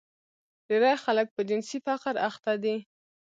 ډېری خلک په جنسي فقر اخته دي.